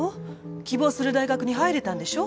希望する大学に入れたんでしょ